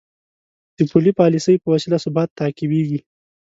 د پولي پالیسۍ په وسیله ثبات تعقیبېږي.